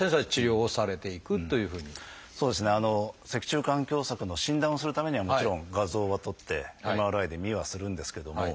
脊柱管狭窄の診断をするためにはもちろん画像は撮ってＭＲＩで見はするんですけども。